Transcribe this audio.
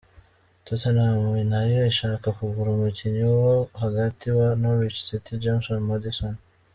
Tottenham nayo ishaka kugura umukinyi wo hagati wa Norwich City, James Maddison.